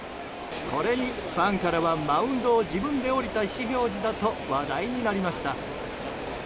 これにファンからはマウンドを自分で降りた意思表示だと話題になりました。